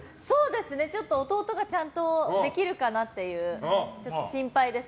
ちょっと弟がちゃんとできるかなって心配です。